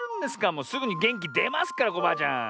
もうすぐにげんきでますからコバアちゃん。